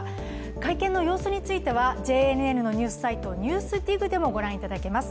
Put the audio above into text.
会見の様子についてはＪＮＮのニュースサイト「ＮＥＷＳＤＩＧ」でもご覧いただけます。